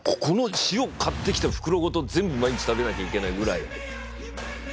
この塩買ってきた袋ごと全部毎日食べなきゃいけないぐらい。